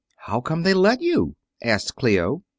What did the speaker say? "How come they let you?" asked Clio.